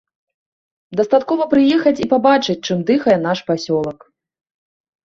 Дастаткова прыехаць і пабачыць, чым дыхае наш пасёлак.